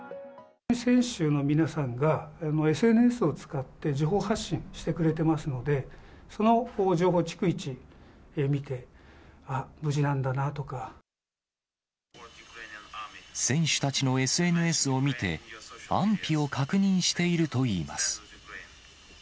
選手の皆さんが、ＳＮＳを使って、自己発信をしてくれてますので、その情報を逐一見て、あっ、無事なんだなとか。選手たちのＳＮＳを見て、安否を確認しているといいます。